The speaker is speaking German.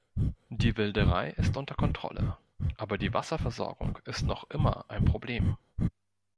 Die Wilderei ist unter Kontrolle, aber die Wasserversorgung ist noch immer ein Problem.